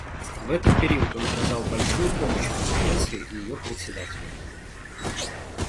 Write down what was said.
В этот период он оказал большую помощь Конференции и ее председателям.